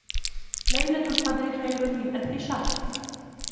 ليلة القدر خير من ألف شهر